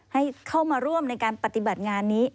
ให้เข้ามาร่วมในการปฏิบัติงานนี้